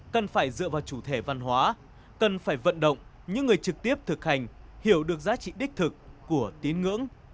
cần phải dựa vào chủ thể văn hóa cần phải vận động những người trực tiếp thực hành hiểu được giá trị đích thực của tín ngưỡng